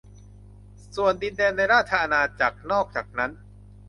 ส่วนดินแดนในราชอาณาจักรนอกจากนั้น